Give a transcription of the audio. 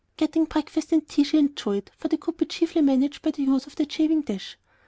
Getting breakfast and tea she enjoyed, for they could be chiefly managed by the use of the chafing dish.